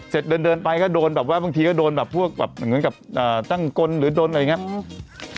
เสร็จเดินไปก็โดนแบบว่าบางทีก็โดนแบบพวกแบบเหมือนกับตั้งกลหรือโดนอะไรอย่างนี้